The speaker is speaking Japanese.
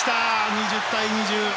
２０対２０。